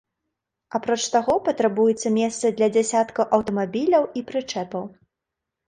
Апроч таго, патрабуецца месца для дзясяткаў аўтамабіляў і прычэпаў.